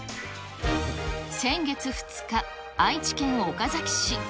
先月２日、愛知県岡崎市。